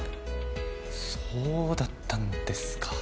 そうだったんですか。